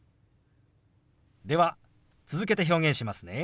では続けて表現しますね。